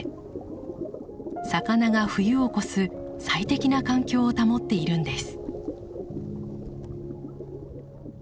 魚が冬を越す最適な環境を保っているんです。